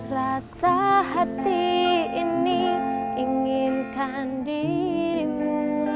rasa hati ini inginkan dirimu